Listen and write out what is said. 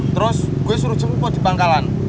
terus gue suruh jemput di bangkalan